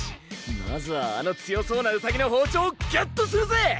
まずはあの強そうな兎の包丁をゲットするぜ！